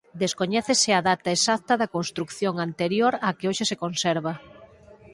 Descoñécese a data exacta da construción anterior á que hoxe se conserva.